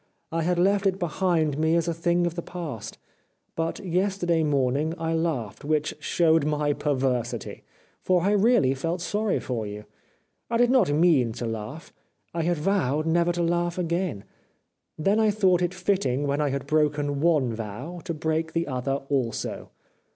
I had left it behind me as a thing of the past, but yesterday morning I laughed, which showed my perversity, for I really felt sorry for you. I did not mean to laugh : I had vowed never to laugh again. Then I thought it fitting when I had broken one vow to break the other also.